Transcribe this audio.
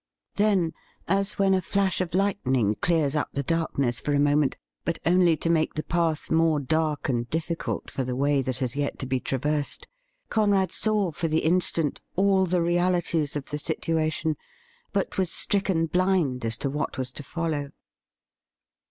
Then, as when a flash of lightning clears up the darkness for a moment, but only to make the path more dark and difficult for the way AN EPOCH MAKING BAY 189 that has yet to be traversed, Conrad saw for the instant all the realities of the situation, but was stricken blind as to what was to follow.